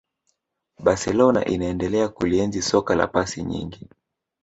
barcelona inaendelea kulienzi soka la pasi nyingi